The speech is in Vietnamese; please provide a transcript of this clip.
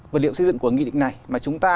vật liệu xây dựng của nghị định này mà chúng ta